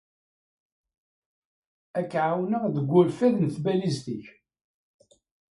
Ad k-ɛawneɣ deg urfad n tbalizin-ik.